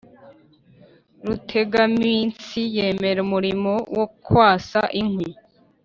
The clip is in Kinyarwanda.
rutegaminsi yemera umurimo wo kwasa inkwi